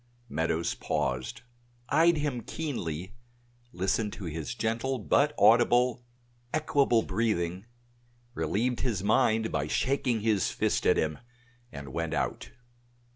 Meadows paused, eyed him keenly, listened to his gentle but audible, equable breathing, relieved his mind by shaking his fist at him, and went out.